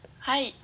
はい。